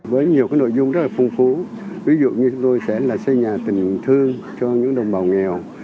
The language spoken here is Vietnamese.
với nhiều cái nội dung rất là phung phú ví dụ như tôi sẽ là xây nhà tình thương cho những đồng bào nghèo